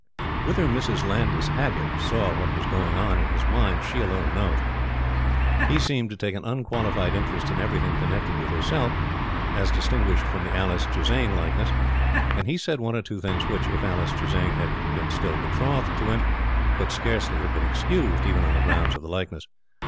Whether Mrs. Landys Haggert saw what was going on in his mind, she alone knows. He seemed to take an unqualified interest in everything connected with herself, as distinguished from the Alice Chisane likeness, and he said one or two things which, if Alice Chisane had been still betrothed to him, could scarcely have been excused, even on the grounds of the likeness.